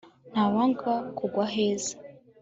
ntawanga kugwa aheza